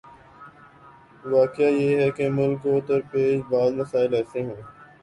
واقعہ یہ ہے کہ ملک کو درپیش بعض مسائل ایسے ہیں۔